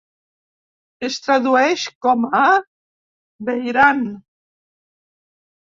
Es tradueix com a "Beiran".